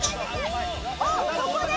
おっここで。